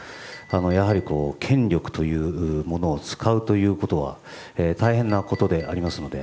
やはり、権力というものを使うということは大変なことでありますので。